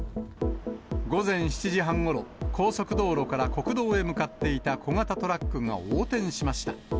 午前７時半ごろ、高速道路から国道へ向かっていた小型トラックが横転しました。